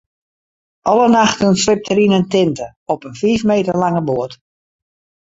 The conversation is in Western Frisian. Alle nachten sliept er yn in tinte op in fiif meter lange boat.